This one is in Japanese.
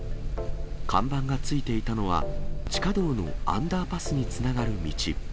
看板がついていたのは、地下道のアンダーパスにつながる道。